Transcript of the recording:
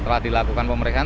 setelah dilakukan pemeriksaan